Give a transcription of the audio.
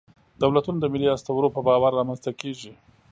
دولتونه د ملي اسطورو په باور رامنځ ته کېږي.